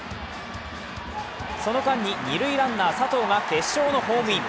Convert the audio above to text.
その間に二塁ランナー・佐藤が決勝のホームイン。